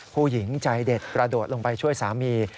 ผู้หญิงใจเด็ดกระโดดลงไปช่วยสามี